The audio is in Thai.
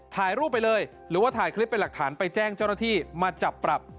ถ่ายรูปไปเลยหรือว่าถ่ายคลิปเป็นหลักฐานไปแจ้งเจ้าหน้าที่มาจับปรับ